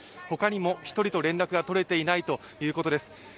他にも１人と連絡が取れていないということです。